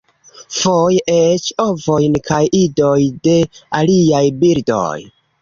Foje eĉ ovojn kaj idoj de aliaj birdoj.